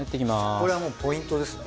これはもうポイントですね。